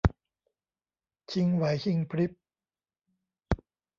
ชิงไหวชิงพริบ